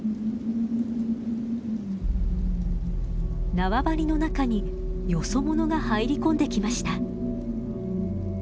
縄張りの中によそ者が入り込んできました。